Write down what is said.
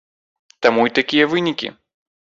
Таму і такія вынікі.